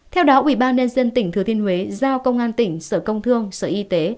theo đó ubnd tỉnh thừa thiên huế giao công an tỉnh sở công thương sở y tế